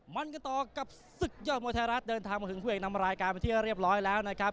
มันกันต่อกับศึกยอดมวยไทยรัฐเดินทางมาถึงคู่เอกนำรายการไปที่เรียบร้อยแล้วนะครับ